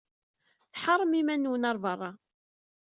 Tḥeṛṛem iman-nwen ɣer beṛṛa.